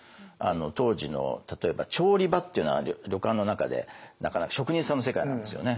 当時の例えば調理場っていうのは旅館の中で職人さんの世界なんですよね。